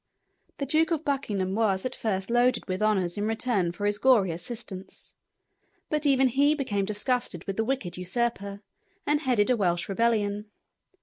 The Duke of Buckingham was at first loaded with honors in return for his gory assistance; but even he became disgusted with the wicked usurper, and headed a Welsh rebellion.